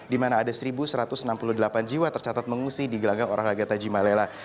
di mana ada satu satu ratus enam puluh delapan jiwa tercatat mengungsi di gelanggang olahraga tajimalela